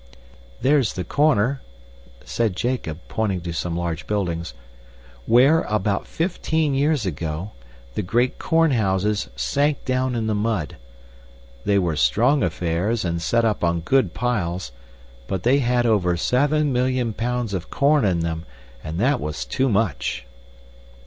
"There's the corner," said Jacob, pointing to some large buildings, where, about fifteen years ago, the great corn houses sank down in the mud. They were strong affairs and set up on good piles, but they had over seven million pounds of corn in them, and that was too much."